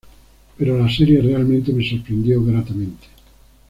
Pero la serie realmente me sorprendió gratamente.